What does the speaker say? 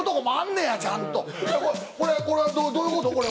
これはどういうこと？